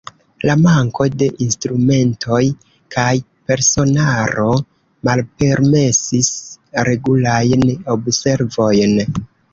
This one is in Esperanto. La manko de instrumentoj kaj personaro malpermesis regulajn observojn.